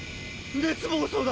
熱暴走だ！